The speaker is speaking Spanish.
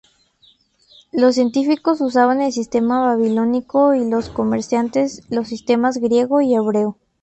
Los científicos usaban el sistema babilónico y los comerciantes los sistemas griego y hebreo.